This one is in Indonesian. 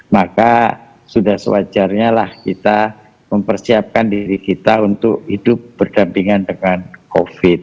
maka sudah sewajarnya lah kita mempersiapkan diri kita untuk hidup berdampingan dengan covid